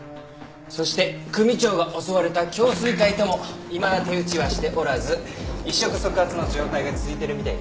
そして組長が襲われた京粹会ともいまだ手打ちはしておらず一触即発の状態が続いているみたいですね。